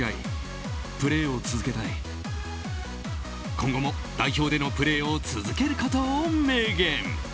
今後も代表でのプレーを続けることを明言。